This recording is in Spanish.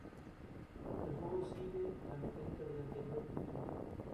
El juego sigue la mecánica del anterior título.